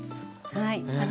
はい。